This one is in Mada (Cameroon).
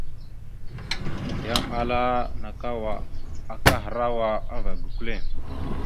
Yan ala : nakawa akahərawa ava gukəle.